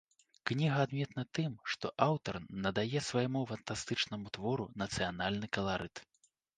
Кніга адметна тым, што аўтар надае свайму фантастычнаму твору нацыянальны каларыт.